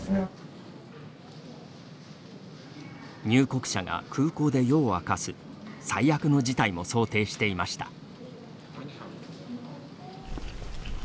入国者が空港で夜を明かす最悪の事態も想定していました。